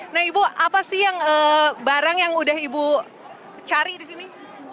nah ibu apa sih yang barang yang udah ibu cari di sini